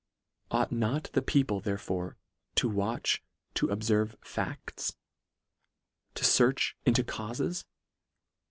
Ought not the people therefore to watch to obferve facls ? to fearch into caufes